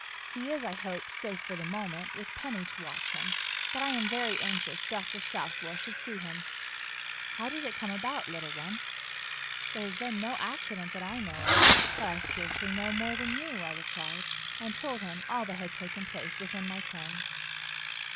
"He is, I hope, safe for the moment, with Penny to watch him; but I am very anxious Dr. Southwell should see him." "How did it come about, little one?" "There has been no accident that I know of. But I scarcely know more than you," I replied and told him all that had taken place within my ken.